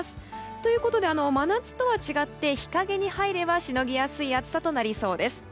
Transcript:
ということで、真夏とは違って日陰に入ればしのぎやすい暑さとなりそうです。